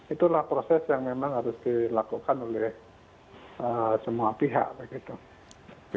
itulah proses yang memang harus dilakukan oleh semua pihak begitu